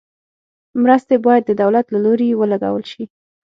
مرستې باید د دولت له لوري ولګول شي.